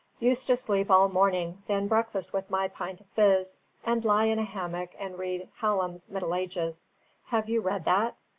Used to sleep all morning, then breakfast with my pint of fizz, and lie in a hammock and read Hallam's Middle Ages. Have you read that?